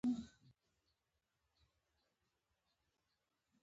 د افغانستان د اقتصادي پرمختګ لپاره پکار ده چې روغتیا مهمه وي.